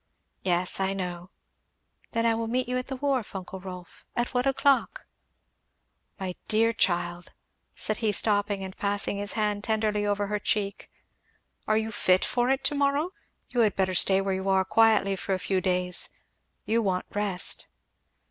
"Yes I know " "Then I will meet you at the wharf, uncle Rolf, at what o'clock?" "My dear child," said he, stopping and passing his hand tenderly over her cheek, "are you fit for it to morrow? You had better stay where you are quietly for a few days you want rest."